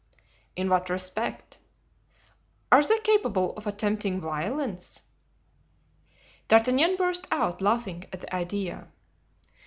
"In what respect?" "Are they capable of attempting violence?" D'Artagnan burst out laughing at the idea.